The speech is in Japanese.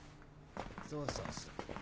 そうそうそう。